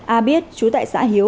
a biết chú tại xã hiếu